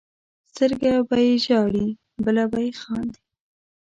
سترګه به یې ژاړي بله به یې خاندي.